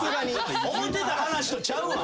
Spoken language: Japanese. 思ってた話とちゃうわ。